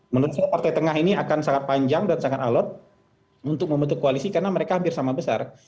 menurut saya partai tengah ini akan sangat panjang dan sangat alot untuk membentuk koalisi karena mereka hampir sama besar